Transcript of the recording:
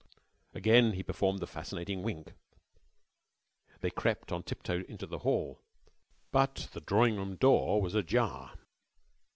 Again he performed the fascinating wink. They crept on tiptoe into the hall, but the drawing room door was ajar.